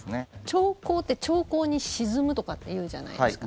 長考って長考に沈むとかって言うじゃないですか。